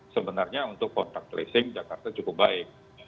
sebenarnya untuk kontak tracing jakarta cukup baik